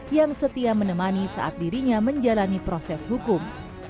yang setia menemani saat dirinya menjalani proses hukum